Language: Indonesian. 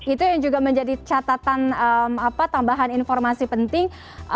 itu yang juga menjadi catatan tambahan informasi penting